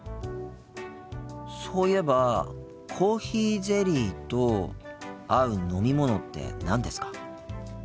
そういえばコーヒーゼリーと合う飲み物って何ですか？